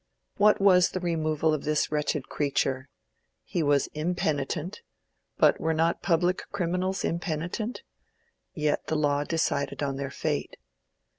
What was the removal of this wretched creature? He was impenitent—but were not public criminals impenitent?—yet the law decided on their fate.